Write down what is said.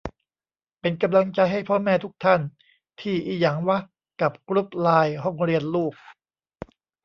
เป็นกำลังใจให้พ่อแม่ทุกท่านที่อิหยังวะกับกรุ๊ปไลน์ห้องเรียนลูก